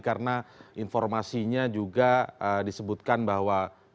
karena informasinya juga disebutkan bahwa karena mungkin advokasi terhadap hti dan lain sebagainya ya